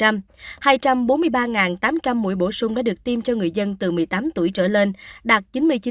hai trăm bốn mươi ba tám trăm linh mũi bổ sung đã được tiêm cho người dân từ một mươi tám tuổi trở lên đạt chín mươi chín